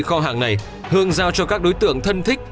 hai kho hàng này hường giao cho các đối tượng thân thích